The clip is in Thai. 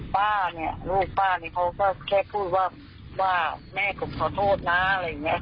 ป้าเนี่ยลูกป้านี่เขาก็แค่พูดว่าแม่ผมขอโทษนะอะไรอย่างนี้